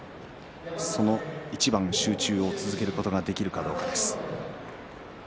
その一番集中を続けることができるかどうかです。